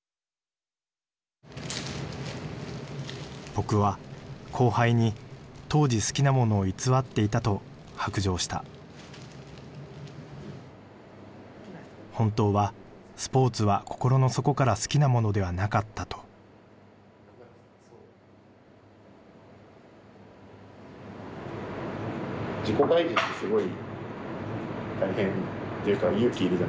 僕は後輩に「当時好きなものを偽っていた」と白状した「本当はスポーツは心の底から好きなものではなかった」といやすごい。